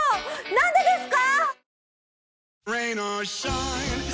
何でですか？